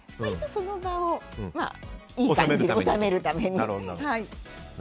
その場をいい感じに収めるために。